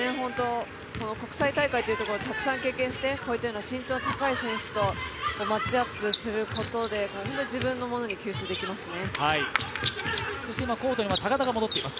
国際大会というところを、たくさん経験して身長高い選手とマッチアップすることで自分のものに吸収できますね。